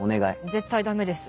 絶対ダメです。